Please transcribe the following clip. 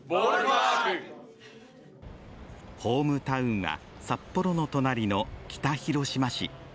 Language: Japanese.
ホームタウンは、札幌の隣の北広島市。